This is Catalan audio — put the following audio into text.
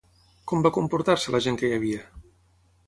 Com va comportar-se la gent que hi havia?